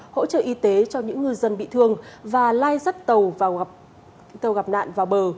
hỗ trợ y tế cho những ngư dân bị thương và lai dắt tàu gặp nạn vào bờ